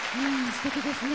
すてきですね。